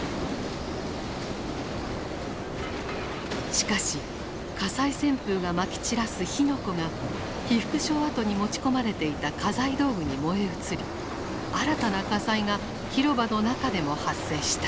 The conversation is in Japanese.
しかし火災旋風がまき散らす火の粉が被服廠跡に持ち込まれていた家財道具に燃え移り新たな火災が広場の中でも発生した。